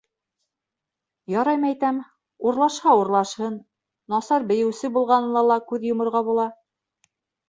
Ярай, мәйтәм, урлашһа - урлашһын, насар бейеүсе булғанына ла күҙ йоморға була.